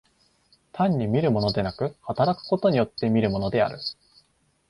単に見るものでなく、働くことによって見るものである。